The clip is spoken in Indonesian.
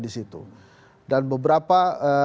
disitu dan beberapa